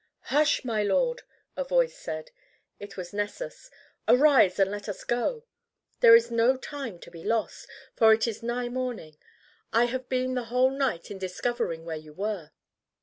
"Hush, my lord!" a voice said. It was Nessus. "Arise and let us go. There is no time to be lost, for it is nigh morning. I have been the whole night in discovering where you were."